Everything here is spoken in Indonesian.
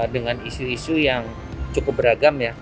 dengan isu isu yang cukup beragam ya